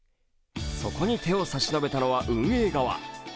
そこに手を差し伸べたのは運営側。